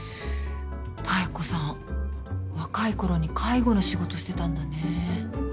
妙子さん若いころに介護の仕事してたんだね。